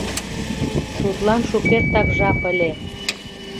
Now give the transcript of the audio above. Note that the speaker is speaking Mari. — Тудлан шукертак жап ыле!